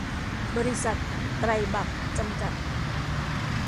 บริษัท ไตรบรรพ จำกัด